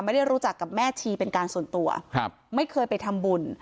ไม่ได้รู้จักกับแม่ชีเป็นการส่วนตัวครับไม่เคยไปทำบุญ